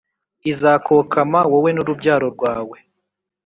Izakokama wowe n’urubyaro rwawe,